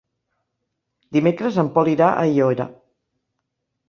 Dimecres en Pol irà a Aiora.